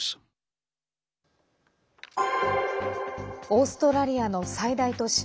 オーストラリアの最大都市